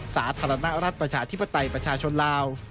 สาธารณรัฐประชาธิปไตยประชาชนลาว